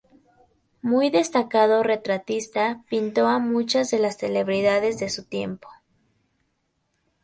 Muy destacado retratista, pintó a muchas de las celebridades de su tiempo.